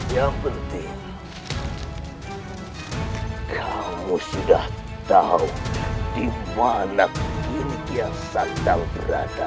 yang penting kamu sudah tahu di mana kini kian santa berada